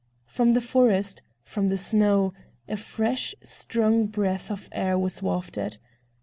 From the forest, from the snow, a fresh, strong breath of air was wafted.